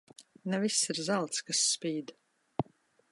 Ne viss ir zelts, kas spīd.